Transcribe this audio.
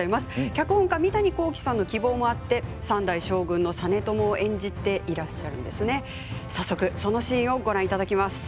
脚本家、三谷幸喜さんの希望もあって３代将軍の実朝を演じていらっしゃいます。